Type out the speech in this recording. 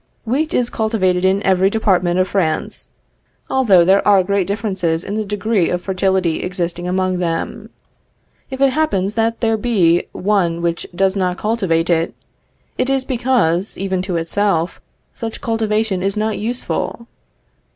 Wheat is cultivated in every department of France, although there are great differences in the degree of fertility existing among them. If it happens that there be one which does not cultivate it, it is because, even to itself, such cultivation is not useful.